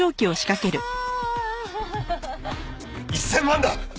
１０００万だ！